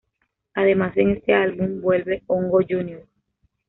Además, en este álbum vuelve Hongo Jr.